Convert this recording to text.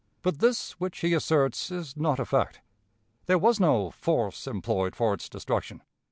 But this which he asserts is not a fact. There was no "force employed for its destruction."